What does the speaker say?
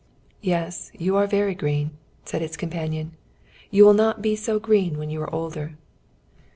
"Yes, you are very green," said its companion. "You will not be so green when you are older."